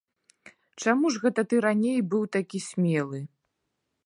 Чаму ж гэта ты раней быў такі смелы?!